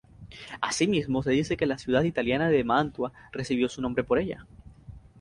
Asimismo, se dice que la ciudad italiana de Mantua recibió su nombre por ella.